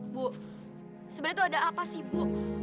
bu sebenarnya tuh ada apa sih bu